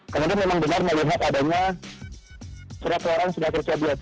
kemudian memang benar melihat adanya surat surat tercoblos